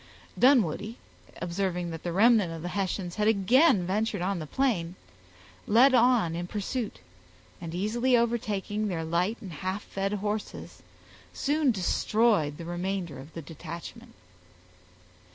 Dunwoodie, observing that the remnant of the Hessians had again ventured on the plain, led on in pursuit, and easily overtaking their light and half fed horses, soon destroyed the remainder of the detachment.